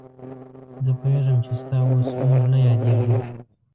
زه پوهېږم چې ستا اوس موږ نه یادېږو.